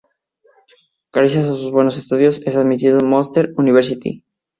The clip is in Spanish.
Gracias a sus buenos estudios, es admitido en Monsters University.